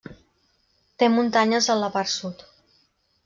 Té muntanyes en la part sud.